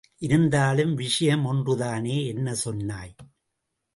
இருந்தாலும் விஷயம் ஒன்றுதானே! என்ன சொன்னாய்!